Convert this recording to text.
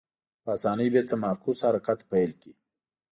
په اسانۍ بېرته معکوس حرکت پیل کړي.